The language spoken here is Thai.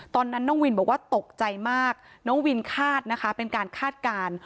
ตอนนั้นน้องวินบอกว่าตกใจมากน้องวินคาดนะคะเป็นการคาดการณ์